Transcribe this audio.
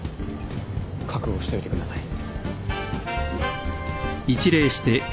覚悟しておいてください。